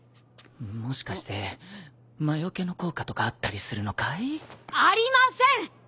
もしかして魔よけの効果とかあったりするのかい？ありません！